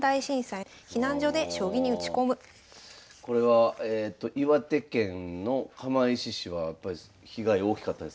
これは岩手県の釜石市はやっぱり被害大きかったですか？